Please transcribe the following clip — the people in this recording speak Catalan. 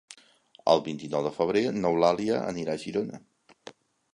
El vint-i-nou de febrer n'Eulàlia anirà a Girona.